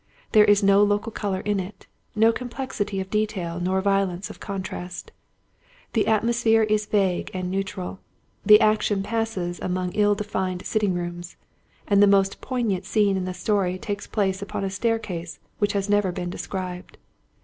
There is no local colour in it, no complexity of detail nor violence of contrast; the atmosphere is vague and neutral, the action passes among ill defined sitting rooms, and the most poignant scene in the story takes place upon a staircase which has never been described.